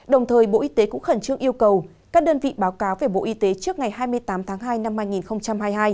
đồng thời bộ y tế cũng khẩn trương yêu cầu các đơn vị báo cáo về bộ y tế trước ngày hai mươi tám tháng hai năm hai nghìn hai mươi hai